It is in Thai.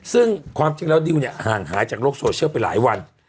ซึ่งความจริงเราน่าห่างหายจากโรคโซาชั่นไปหลายวัน